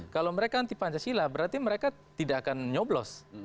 kalau mereka anti pancasila berarti mereka tidak akan nyoblos